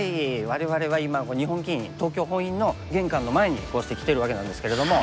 我々は今日本棋院・東京本院の玄関の前にこうして来てるわけなんですけれども。